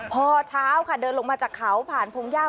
พอเช้าค่ะเดินลงมาจากเขาผ่านพงหญ้า